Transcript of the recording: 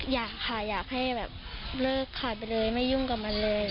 อยากค่ะอยากให้แบบเลิกขาดไปเลยไม่ยุ่งกับมันเลย